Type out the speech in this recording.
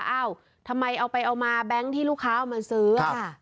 เอ้าทำไมเอาไปเอามาแบงค์ที่ลูกค้าเอามาซื้อ